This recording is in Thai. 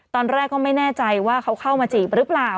ตอนแรกก็ไม่แน่ใจว่าเขาเข้ามาจีบหรือเปล่า